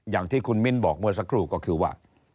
อย่างที่คุณมิ้นบอกเมื่อสักครู่ก็คือว่า